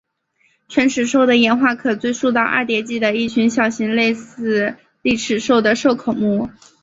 犬齿兽的演化可追溯到二叠纪的一群小型类似丽齿兽的兽孔目。